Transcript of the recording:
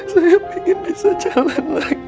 saya ingin bisa jalan lagi